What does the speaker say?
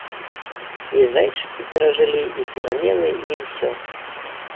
І зайчыкі перажылі, і перамены, і ўсё.